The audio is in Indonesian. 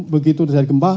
begitu terjadi gempa